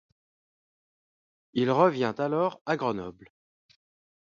Il revient alors à Grenoble.